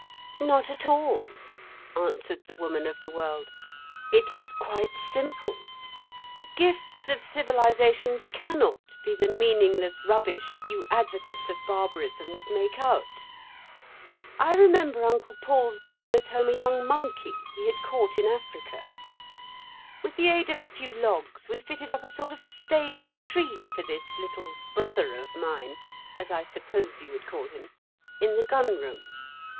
"Not at all," answered the Woman of the World; "it is quite simple. The gifts of civilisation cannot be the meaningless rubbish you advocates of barbarism would make out. I remember Uncle Paul's bringing us home a young monkey he had caught in Africa. With the aid of a few logs we fitted up a sort of stage tree for this little brother of mine, as I suppose you would call him, in the gun room.